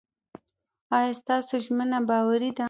ایا ستاسو ژمنه باوري ده؟